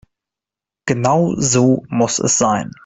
Genau so muss es sein.